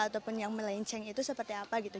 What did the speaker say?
ataupun yang melenceng itu seperti apa gitu